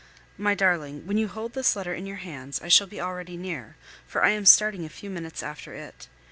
My darling, When you hold this letter in your hands, I shall be already near, for I am starting a few minutes after it.